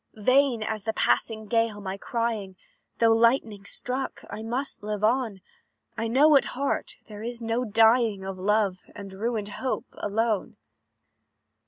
"Vain as the passing gale, my crying; Though lightning struck, I must live on; I know, at heart, there is no dying Of love, and ruined hope, alone.